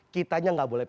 kitanya gak boleh php